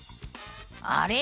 あれ？